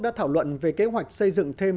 đã thảo luận về kế hoạch xây dựng thêm